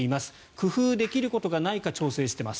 工夫できることがないか調整しています。